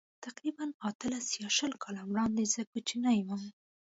تقریباً اتلس یا شل کاله وړاندې زه کوچنی وم.